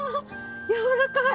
やわらかい！